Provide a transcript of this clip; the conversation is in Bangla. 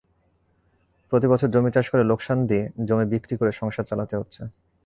প্রতিবছর জমি চাষ করে লোকসান দিয়ে জমি বিক্রি করে সংসার চালাতে হচ্ছে।